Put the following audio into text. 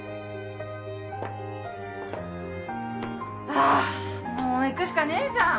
あもう行くしかねえじゃん。